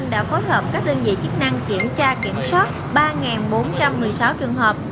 đã phối hợp các đơn vị chức năng kiểm tra kiểm soát ba bốn trăm một mươi sáu trường hợp